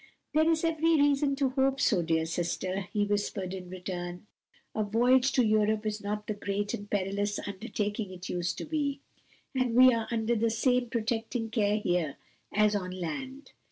"There is every reason to hope so, dear sister," he whispered in return. "A voyage to Europe is not the great and perilous undertaking it used to be; and we are under the same protecting care here as on land.